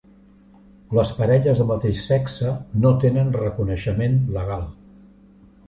Les parelles del mateix sexe no tenen reconeixement legal.